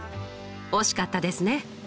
惜しかったですね！